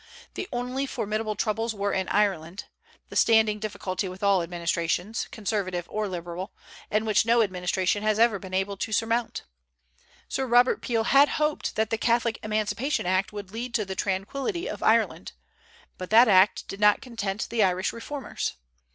The only formidable troubles were in Ireland, the standing difficulty with all administrations, Conservative or Liberal, and which no administration has ever been able to surmount. Sir Robert Peel had hoped that the Catholic Emancipation Act would lead to the tranquillity of Ireland. But that act did not content the Irish reformers.